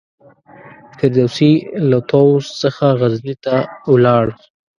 فردوسي له طوس څخه غزني ته ولاړ.